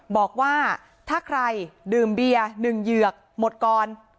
บอกว่าถ้าใครดื่มเบียร์๑เหยือกหมดก่อน